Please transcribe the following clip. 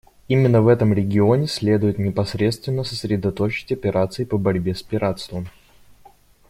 Именно в этом регионе следует непосредственно сосредоточить операции по борьбе с пиратством.